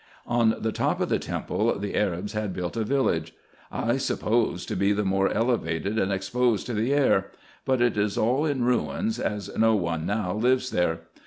On the top of the temple the Arabs had built a village, I suppose to be the more elevated, and exposed to the air ; but it is all in ruins, as no one now lives there.